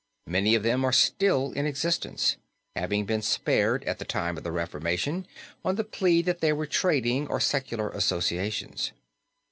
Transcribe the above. Many of them are still in existence, having been spared at the time of the Reformation on the plea that they were trading or secular associations.